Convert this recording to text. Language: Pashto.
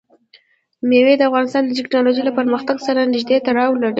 مېوې د افغانستان د تکنالوژۍ له پرمختګ سره نږدې تړاو لري.